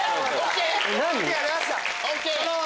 ＯＫ！